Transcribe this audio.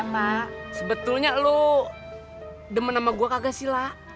pak sebetulnya lo demen sama gue kagak sila